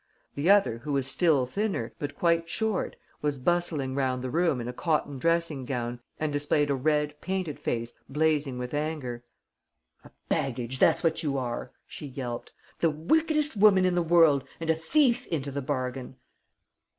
The other, who was still thinner, but quite short, was bustling round the room in a cotton dressing gown and displayed a red, painted face blazing with anger: "A baggage, that's what you are!" she yelped. "The wickedest woman in the world and a thief into the bargain!"